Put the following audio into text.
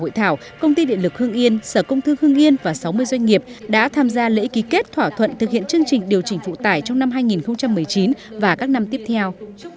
hội thảo công ty điện lực hương yên sở công thư hương yên và sáu mươi doanh nghiệp đã tham gia lễ ký kết thỏa thuận thực hiện chương trình điều chỉnh phụ tải trong năm hai nghìn một mươi chín và các năm tiếp theo